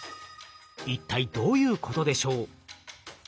一体どういうことでしょう？